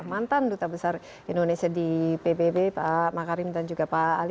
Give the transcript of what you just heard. mantan duta besar indonesia di pbb pak makarim dan juga pak ali